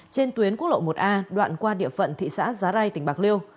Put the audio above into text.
trên tuyến quốc lộ một a đoạn qua địa phận thị xã giá rai tỉnh bạc liêu